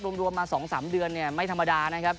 รวมรวมมาสองสามเดือนเนี้ยไม่ธรรมดานะครับ